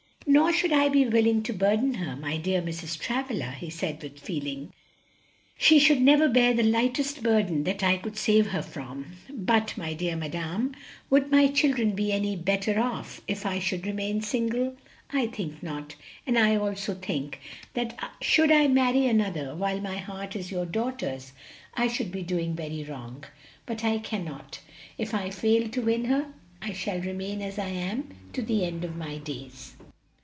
"Nor should I be willing to burden her, my dear Mrs. Travilla," he said with feeling; "she should never bear the lightest burden that I could save her from. But, my dear madam, would my children be any better off if I should remain single? I think not, and I also think that should I marry another while my heart is your daughter's, I should be doing very wrong. But I cannot; if I fail to win her I shall remain as I am to the end of my days."